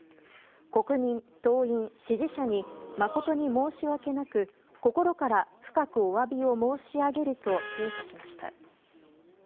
国民、党員・支持者に誠に申し訳なく、心から深くおわびを申し上げると陳謝しました。